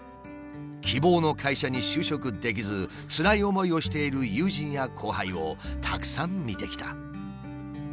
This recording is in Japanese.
希望の会社に就職できずつらい思いをしている友人や後輩をたくさん見てきた。